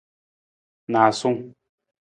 Naasung.